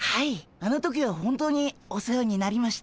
あの時は本当にお世話になりました。